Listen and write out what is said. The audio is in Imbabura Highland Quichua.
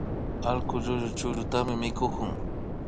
Allkuka llullu chukllutami mikukun